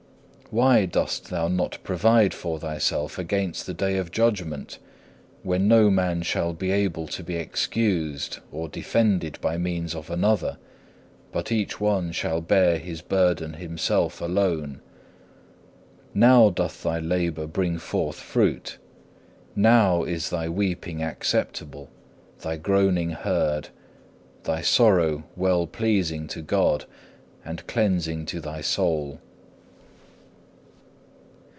Why dost thou not provide for thyself against the day of judgment, when no man shall be able to be excused or defended by means of another, but each one shall bear his burden himself alone? Now doth thy labour bring forth fruit, now is thy weeping acceptable, thy groaning heard, thy sorrow well pleasing to God, and cleansing to thy soul.